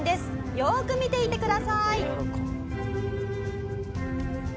よーく見ていてください。